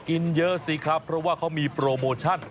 กินเยอะสิครับเพราะว่าเขามีโปรโมชั่น